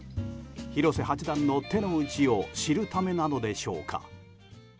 広瀬八段の手の内を知るためなのでしょうか。